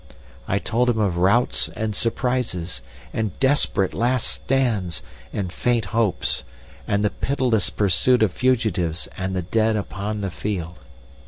I told him of routs and surprises, and desperate last stands and faint hopes, and the pitiless pursuit of fugitives and the dead upon the field.